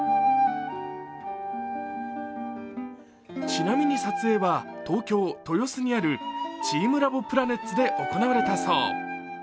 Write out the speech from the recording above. ちなみに撮影は東京・豊洲にあるチームラボプラネッツで行われたそう。